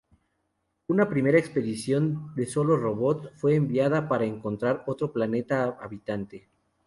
Una primera expedición de solo robots fue enviada para encontrar otro planeta habitable.